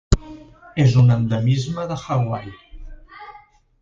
És un endemisme de Hawaii.